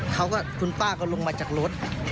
เขาก็คุณป้าก็ลงมาจากรถ